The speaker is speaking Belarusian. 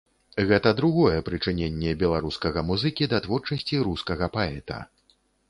Гэта другое прычыненне беларускага музыкі да творчасці рускага паэта.